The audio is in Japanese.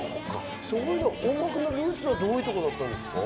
音楽のルーツはどういうところだったんですか？